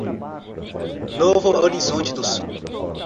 Novo Horizonte do Sul